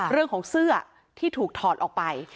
เรื่องของเสื้อที่ถูกถอดออกไป